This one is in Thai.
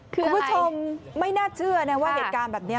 คุณผู้ชมไม่น่าเชื่อนะว่าเหตุการณ์แบบนี้